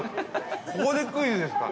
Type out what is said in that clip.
ここでクイズですか？